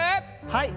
はい。